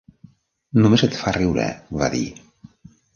"Només et fa riure", va dir.